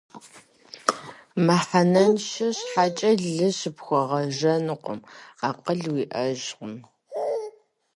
Мыхьэнэншэ щхьэкӀэ лъы щыпхуэгъэжэнукӀэ, акъыл уиӀэжкъым.